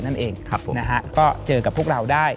นั่นเองนะฮะก็เจอกับพวกเราได้